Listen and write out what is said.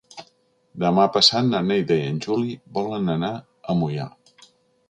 Demà passat na Neida i en Juli volen anar a Moià.